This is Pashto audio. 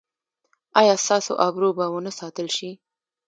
ایا ستاسو ابرو به و نه ساتل شي؟